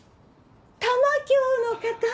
玉響の方？